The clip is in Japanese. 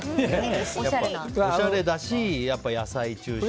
おしゃれだし野菜中心で。